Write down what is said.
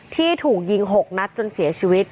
ที่ถูกยิง๖นัดจนเสียชีวิต